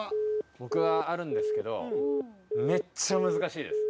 僕はあるんですけどめっちゃ難しいです。